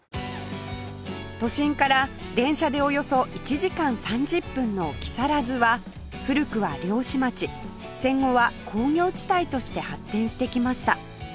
都心から電車でおよそ１時間３０分の木更津は古くは漁師町戦後は工業地帯として発展してきました